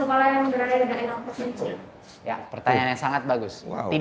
persis ya pertanyaannya sangat bagus